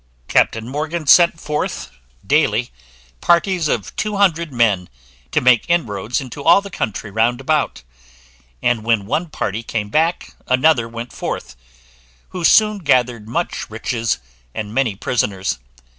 Captain Morgan sent forth, daily, parties of two hundred men, to make inroads into all the country round about; and when one party came back, another went forth, who soon gathered much riches, and many prisoners.